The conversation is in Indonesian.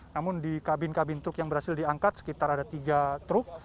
namun di kabin kabin truk yang berhasil diangkat sekitar ada tiga truk